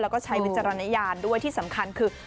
แล้วก็ใช้วิจารณญาณด้วยที่สำคัญคือ